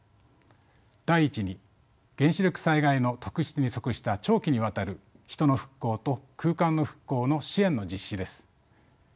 第１に原子力災害の特質に即した長期にわたる人の復興と空間の復興の支援の実施です。